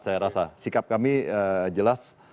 saya rasa sikap kami jelas